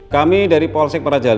kami dari polsek praja lima